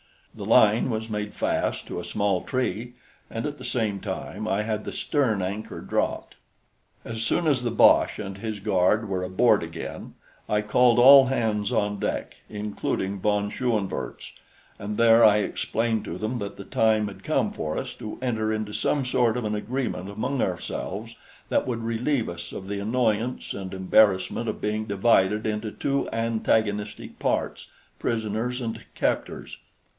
The line was made fast to a small tree, and at the same time I had the stern anchor dropped. As soon as the boche and his guard were aboard again, I called all hands on deck, including von Schoenvorts, and there I explained to them that the time had come for us to enter into some sort of an agreement among ourselves that would relieve us of the annoyance and embarrassment of being divided into two antagonistic parts prisoners and captors.